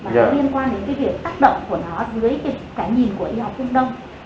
mà liên quan đến cái việc tác động của nó dưới cái nhìn của y học phương đông